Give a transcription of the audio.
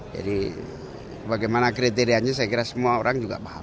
jadi bagaimana kriteriannya saya kira semua orang juga paham